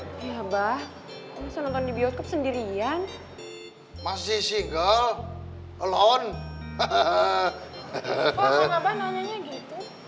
bah learn biobank ke segerian masih syingel kelon kekekehe cat